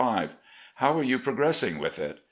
How are you progressing with it?